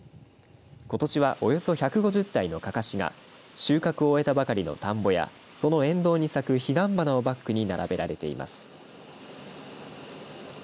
ことしはおよそ１５０体のかかしが収穫を終えたばかりの田んぼやその沿道に咲く彼岸花をバックに並べられています。